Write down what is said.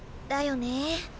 だよね